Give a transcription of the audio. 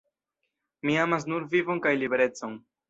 Mi amas nur vivon kaj liberecon"".